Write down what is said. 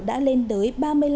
đã lên tới ba mươi năm